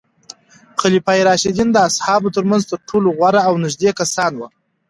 خلفای راشدین د اصحابو ترمنځ تر ټولو غوره او نږدې کسان وو.